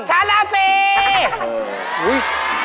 ฉันล่ะสิ